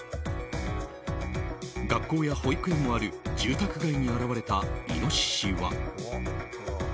学校や保育園もある住宅街に現れたイノシシは。